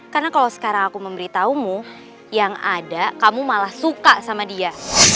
karena kalau sekarang aku memberitahumu yang ada kamu malah suka sama dia